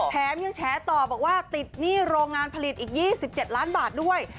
แถมยังแฉต่อบอกว่าติดหนี้โรงงานผลิตอีก๒๗ล้านบาทด้วย